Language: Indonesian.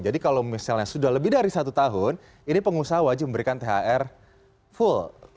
jadi kalau misalnya sudah lebih dari satu tahun ini pengusaha wajib memberikan thr full